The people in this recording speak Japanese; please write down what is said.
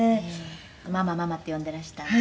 「“ママママ”って呼んでらしたんでしょ？」